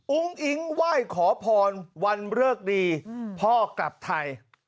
อุ๊งอิงไหว่ขอพรวันเลือกดีพอกลับไทย